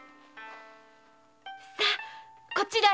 さあこちらへ。